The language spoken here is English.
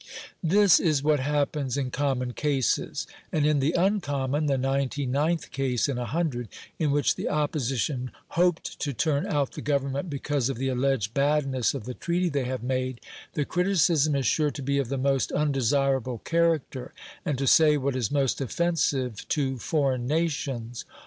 This is what happens in common cases; and in the uncommon the ninety ninth case in a hundred in which the Opposition hoped to turn out the Government because of the alleged badness of the treaty they have made, the criticism is sure to be of the most undesirable character, and to say what is most offensive to foreign nations.